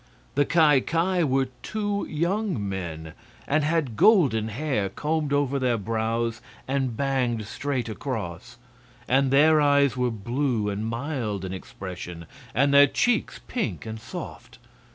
The Ki Ki were two young men, and had golden hair combed over their brows and "banged" straight across; and their eyes were blue and mild in expression, and their cheeks pink and soft.